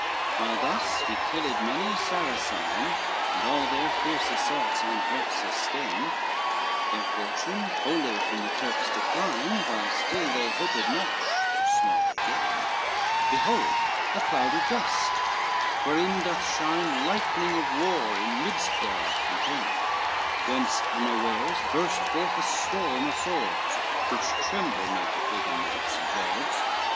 XCI While thus he killed many a Saracine And all their fierce assaults unhurt sustained, Ere fortune wholly from the Turks decline, While still they hoped much, though small they gained, Behold a cloud of dust, wherein doth shine Lightning of war in midst thereof contained, Whence unawares burst forth a storm of swords, Which tremble made the Pagan knights and lords.